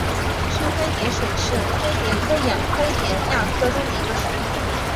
锯灰蝶属是灰蝶科眼灰蝶亚科中的一个属。